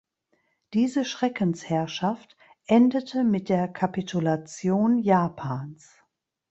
Diese Schreckensherrschaft endete mit der Kapitulation Japans.